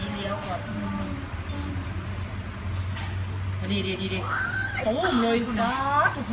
เติมกระดาษสลุกทางและเชื่อมที่ที่สุด